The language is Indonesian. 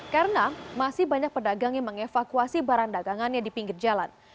karena masih banyak pedagang yang mengevakuasi barang dagangannya di pinggir jalan